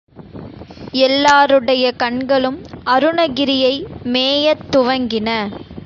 எல்லாருடைய கண்களும் அருணகிரியை மேயத் துவங்கின.